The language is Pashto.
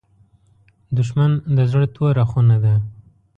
دښمن د زړه توره خونه ده